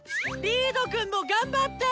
リードくんも頑張って！